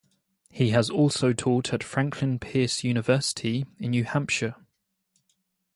He has also taught at Franklin Pierce University in New Hampshire.